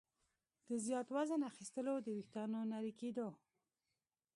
د زیات وزن اخیستلو، د ویښتانو نري کېدو